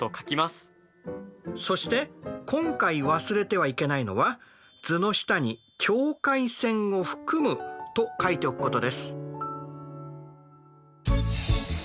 そして今回忘れてはいけないのは図の下に「境界線を含む」と書いておくことです。